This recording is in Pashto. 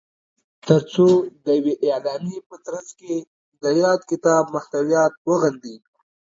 تر څو د یوې اعلامیې په ترځ کې د یاد کتاب محتویات وغندي